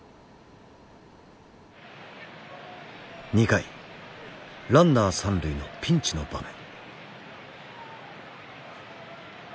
２回ランナー三塁のピンチの場面。